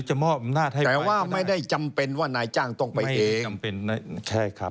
อ๋อแต่ว่าไม่ได้จำเป็นว่านายจ้างต้องไปเอง